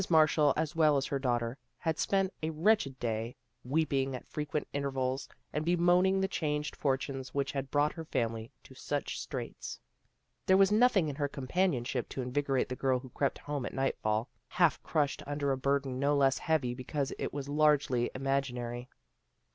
Marshall, as well as her daughter, had spent a wretched day, weeping at frequent intervals, and bemoaning the changed fortunes which had brought her family to such straits. There was nothing in her companionship to invigorate the girl who crept home at nightfall, half crushed under a burden no less heavy because it was largely imaginary.